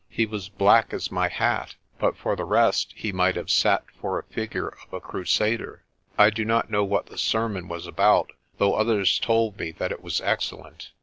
He was black as my hat, but for the rest he might have sat for a figure of a Crusader. I do not know what the sermon was about, though others told me that it was excellent.